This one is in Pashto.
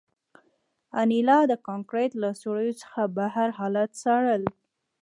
انیلا د کانکریټ له سوریو څخه بهر حالات څارل